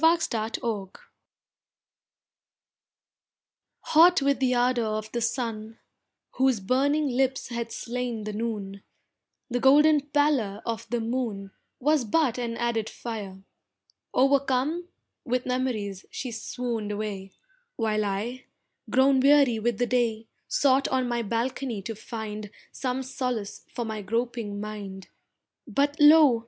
AN AUGUST NIGHT Hot with the ardour of the sun, Whose burning lips had slain the noon, The golden pallor of the moon Was but an added fire, o'ercome With memories she swooned away, While I, grown weary with the day Sought on my balcony to find Some solace for my groping mind, But lo!